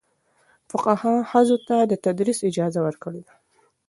فقهاء ښځو ته د تدریس اجازه ورکړې ده.